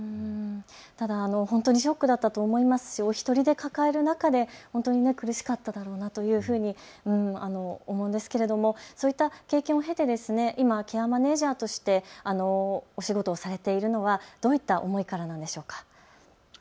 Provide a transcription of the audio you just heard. ただ本当にショックだと思いますしお一人で抱える中で本当に苦しかっただろうなというふうに思うんですけれども、そういった経験を経て今ケアマネージャーとして、お仕事をされているのはどういった思いからなんでしょうか。